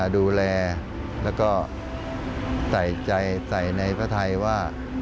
ดูแลแล้วก็ใส่ใจใส่ในพระไทยว่า